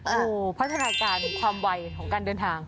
โอ้โหพัฒนาการความไวของการเดินทาง